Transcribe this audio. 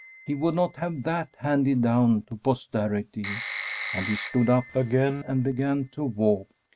He would not have that handed down to posterity; and he stood up again and began to walk.